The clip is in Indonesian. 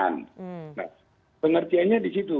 nah pengertiannya di situ